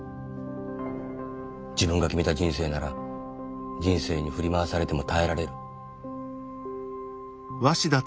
自分が決めた人生なら人生に振り回されても耐えられる。